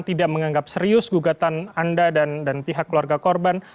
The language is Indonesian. tidak menganggap serius gugatan anda dan pihak keluarga korban